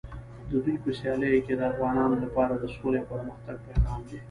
د دوی په سیالیو کې د افغانانو لپاره د سولې او پرمختګ پیغام دی.